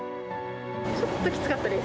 ちょっときつかったです。